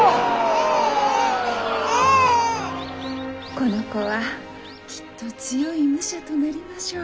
この子はきっと強い武者となりましょう。